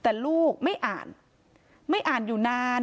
แต่ลูกไม่อ่านไม่อ่านอยู่นาน